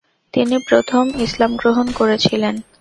তিনি প্রথম ইসলামগ্রহণ করেছিলেন।